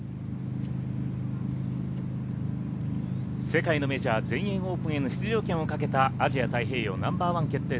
世界のメジャー全英オープンへの出場権をかけたアジア太平洋ナンバー１決定